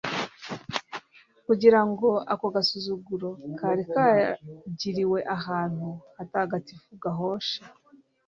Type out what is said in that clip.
kugira ngo ako gasuzuguro kari kagiriwe ahantu hatagatifu gahoshe